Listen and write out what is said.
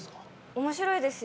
面白いですよ。